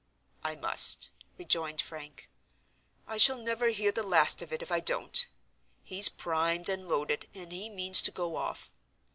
"I must," rejoined Frank. "I shall never hear the last of it if I don't. He's primed and loaded, and he means to go off.